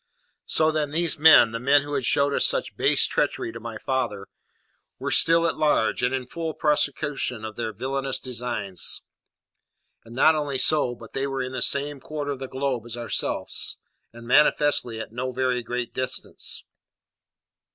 So, then, these men, the men who had showed such base treachery to my father, were still at large, and in full prosecution of their villainous designs. And not only so, but they were in the same quarter of the globe as ourselves, and manifestly at no very great distance.